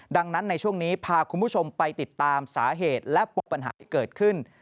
ดังนั้นในช่วงนี้พาคุณผู้ชมไปติดตามสาเหตุและปกปัญหาที่เกิดขึ้น